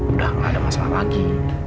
udah gak ada masalah lagi